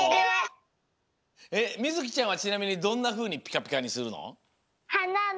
えっみずきちゃんはちなみにどんなふうにピカピカにするの？